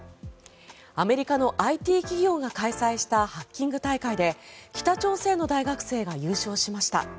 アメリカのＩＴ企業が開催したハッキング大会で北朝鮮の大学生が優勝しました。